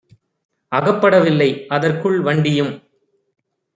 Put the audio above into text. அகப்பட வில்லை; அதற்குள் வண்டியும்